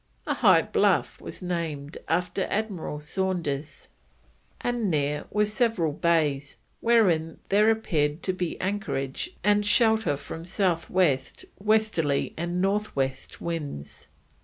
A high bluff was named after Admiral Saunders, and near were several bays, "wherein there appear'd to be anchorage and shelter from South West, Westerly, and North West winds."